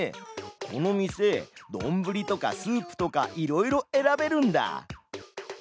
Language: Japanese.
この店どんぶりとかスープとかいろいろえらべるんだ！